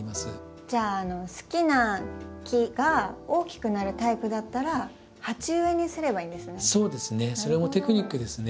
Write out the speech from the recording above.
じゃあ好きな木が大きくなるタイプだったら鉢植えにすればいいんですね。